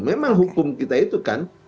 memang hukum kita itu kan